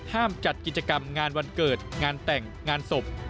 จัดกิจกรรมงานวันเกิดงานแต่งงานศพ